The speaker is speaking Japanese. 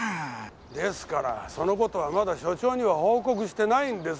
ですからその事はまだ署長には報告してないんです。